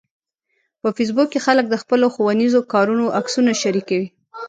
په فېسبوک کې خلک د خپلو ښوونیزو کارونو عکسونه شریکوي